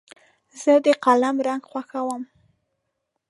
زه د قلم رنګ خوښوم.